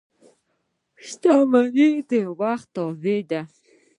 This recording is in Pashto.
• شتمني د وخت تابع ده.